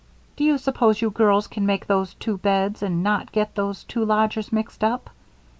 Do you suppose you girls can make those two beds and not get those two lodgers mixed up?